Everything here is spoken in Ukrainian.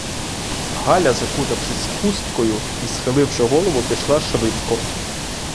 Галя, закутавшись хусткою й схиливши голову, пішла швидко.